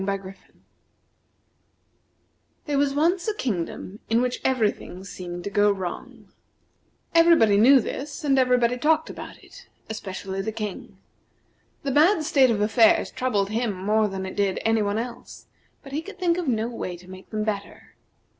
There was once a kingdom in which every thing seemed to go wrong. Everybody knew this, and everybody talked about it, especially the King. The bad state of affairs troubled him more than it did any one else, but he could think of no way to make them better.